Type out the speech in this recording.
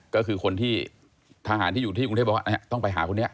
ก็คือคนที่ทหารที่อยู่ที่กรุงเทพบอกว่าต้องไปหาคนนี้